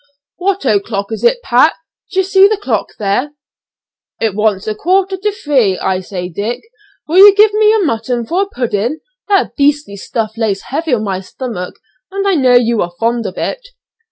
"What o'clock is it, Pat; d'ye see the clock there?" "It wants a quarter to three; I say, Dick, will you give me a mutton for a pudding, that beastly stuff lays heavy on my stomach, and I know you are fond of it."